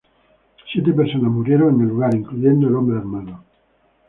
Siete personas murieron en el lugar, incluyendo el hombre armado.